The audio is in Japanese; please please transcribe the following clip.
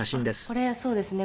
これそうですね。